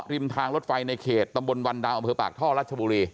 ริมทางรถไฟในเขตตำบลวันดาวอำเภอปากท่อรัชบุรี